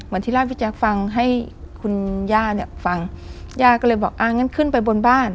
ที่เล่าให้พี่แจ๊คฟังให้คุณย่าเนี่ยฟังย่าก็เลยบอกอ่างั้นขึ้นไปบนบ้าน